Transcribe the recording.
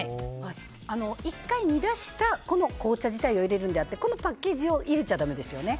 １回煮出した紅茶自体を入れるんであってこのパッケージを入れちゃだめですよね。